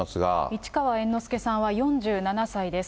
市川猿之助さんは４７歳です。